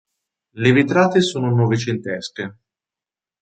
Le vetrate sono novecentesche.